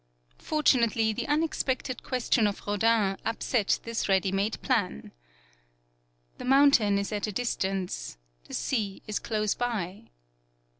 Fortunately, the unexpected question of Rodin upset this ready made plan. "The mountain is at a distance. The sea is close by."